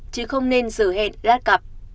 chứ không nên giờ hẹn lát cặp